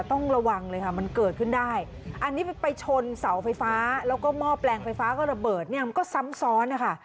ต้องระวังเลยค่ะมันเกิดขึ้นได้อันนี้ไปชนเสาไฟฟ้าแล้วก็หม้อแปลงไฟฟ้าก็ระเบิดเนี่ยมันก็ซ้ำซ้อนนะคะ